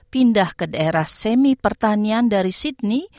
pindah ke daerah semi pertanian dari sydney